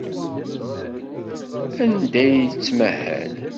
Anda ay yettmahal?